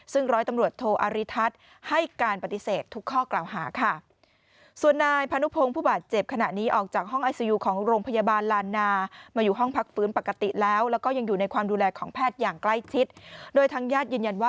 ซึ่งร้อยตำรวจโทอาริทัศน์ให้การปฏิเสธทุกข้อกล่าวหาค่ะ